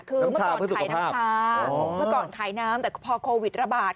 คือเมื่อก่อนขายน้ำค้าเมื่อก่อนขายน้ำแต่พอโควิดระบาด